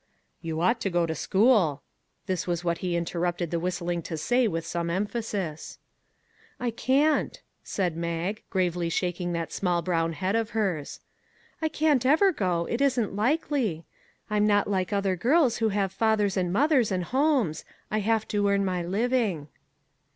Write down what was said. " You ought to go to school." This was what he interrupted the whistling to say with some emphasis. " I can't," said Mag, gravely shaking that small brown head of hers. " I can't ever go, it isn't likely. I'm not like other girls who have fathers and mothers and homes ; I have to earn my living."